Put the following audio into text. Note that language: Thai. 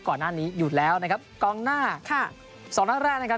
ก่อนหน้านี้อยู่แล้วนะครับกองหน้าค่ะสองนัดแรกนะครับ